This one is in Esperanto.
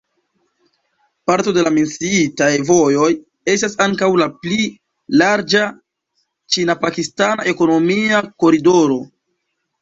Parto de la menciitaj vojoj estas ankaŭ la pli larĝa ĉina-pakistana ekonomia koridoro.